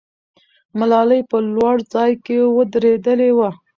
ملالۍ په لوړ ځای کې ودرېدلې وه.